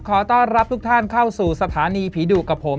ขอต้อนรับทุกท่านเข้าสู่สถานีผีดุกับผม